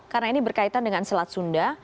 karena ini berkaitan dengan selat sunda